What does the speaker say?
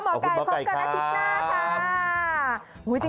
ขอบคุณนะคะหมอไก่ขอบคุณนะชิคกี้พายค่ะ